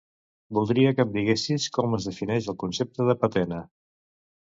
Voldria que em diguessis com es defineix el concepte de patena.